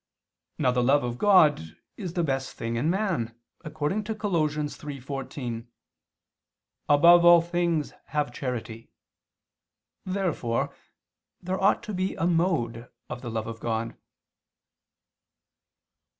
Now the love of God is the best thing in man, according to Col. 3:14: "Above all ... things, have charity." Therefore there ought to be a mode of the love of God.